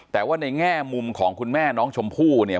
แต่ว่าในแง่มุมของคุณแม่น้องชมพู่เนี่ย